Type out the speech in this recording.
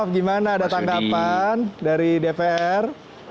gimana ada tanggapan dari dpr